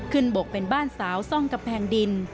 บกเป็นบ้านสาวซ่องกำแพงดิน